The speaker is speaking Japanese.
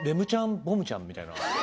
ボムちゃんみたいな。